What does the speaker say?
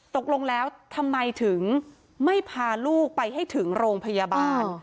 ตกลงแล้วทำไมถึงไม่พาลูกไปให้ถึงโรงพยาบาล